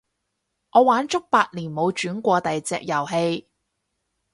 我玩足八年冇轉過第隻遊戲